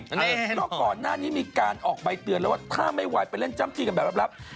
แน่เภนแล้วก่อนหน้านี้มีออกใบเตือนว่าถ้าไม่ไหวไปเล่นจำกี้กับแบบรัพย์